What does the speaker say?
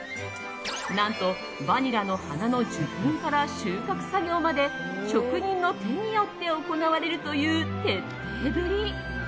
何と、バニラの花の受粉から収穫作業まで職人の手によって行われるという徹底ぶり。